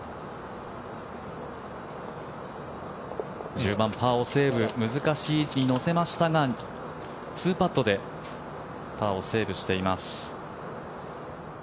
１０番、パーをセーブ難しい位置に乗せましたが２パットでパーをセーブしています。